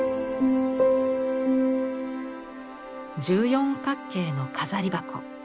十四角形の飾筥。